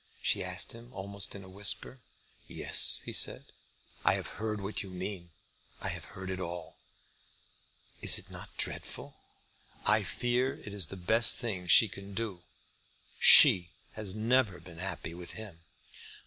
she asked him, almost in a whisper. "Yes," he said. "I have heard what you mean. I have heard it all." "Is it not dreadful?" "I fear it is the best thing she can do. She has never been happy with him."